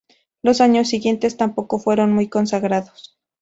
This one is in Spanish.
Los años siguientes tampoco fueron muy consagrados.